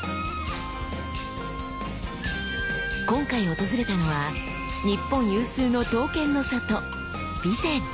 今回訪れたのは日本有数の刀剣の里備前！